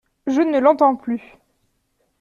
Je ne l’entends plus.